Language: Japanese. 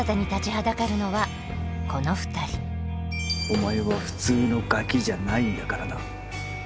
お前は普通のガキじゃないんだからな。